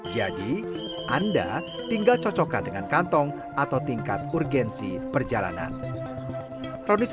jadi anda tinggal cocokkan dengan kantong atau tingkat urgensi perjalanan